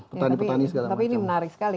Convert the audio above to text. petani petani segala macam tapi ini menarik sekali